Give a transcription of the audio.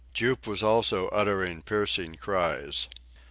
Jup was also uttering piercing cries.